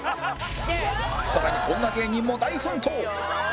さらに女芸人も大奮闘！